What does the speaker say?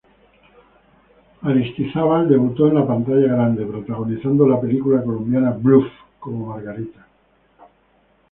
Aristizábal debutó en la pantalla grande protagonizando la película colombiana "Bluff" como Margarita.